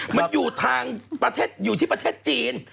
มันอยู่ทางประเทศอยู่ที่จีน